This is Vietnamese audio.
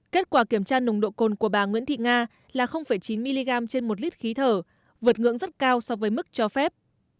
kết quả kiểm tra nồng độ cồn của bà nguyễn thị nga là chín mg trên một lít khí thở vượt ngưỡng rất cao so với mức cho phép